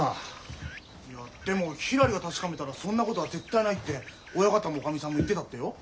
でもひらりが確かめたらそんなことは絶対ないって親方もおかみさんも言ってたってよ。